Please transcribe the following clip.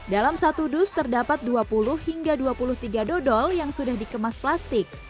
dalam satu dus terdapat dua puluh hingga dua puluh tiga dodol yang sudah dikemas plastik